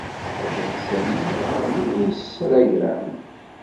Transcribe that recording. Atan Sami deg Insragram.